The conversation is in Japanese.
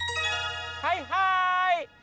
はいはい！